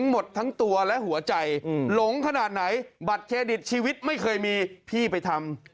หนูอยากได้ร้านหนึ่ง